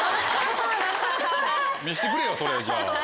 見せてくれよそれじゃあ。